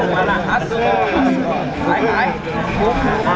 พระเจ้าข้าว